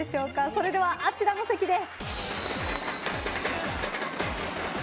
それではあちらの席で。